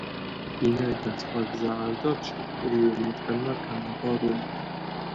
ვინაიდან სხვა გზა არ დარჩათ, ორივე მათგანმა გააბა რომანი.